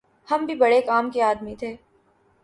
ہم بھی بھڑے کام کے آدمی تھے